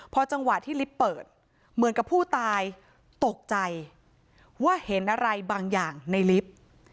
พอจังหวะที่ลิฟต์เปิดเหมือนกับผู้ตายตกใจว่าเห็นอะไรบางอย่างในลิฟต์